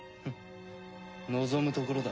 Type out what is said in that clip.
望むところだ。